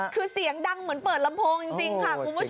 คือเสียงดังเหมือนเปิดลำโพงจริงค่ะคุณผู้ชม